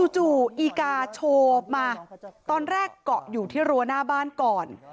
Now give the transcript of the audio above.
จู่อีกาโชว์มาตอนแรกเกาะอยู่ที่รั้วหน้าบ้านก่อน